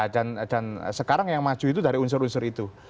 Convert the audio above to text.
dan sekarang yang maju itu dari unsur unsur itu